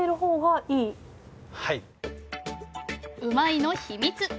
うまいの秘密。